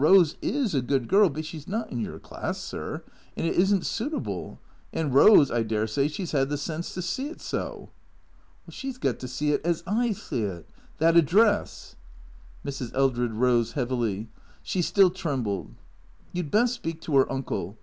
Rose is a good girl, but she 's not in your class, sir, and it is n't suitable. And Rose, I dessay, she 's 'ad the sense to see it so." " She 's got to see it as I see it. That address ?" Mrs, Eldred rose heavily. She still trembled. " You 'd best speak to her uncle.